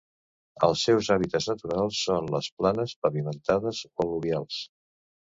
Els seus hàbitats naturals són les planes pavimentades o al·luvials.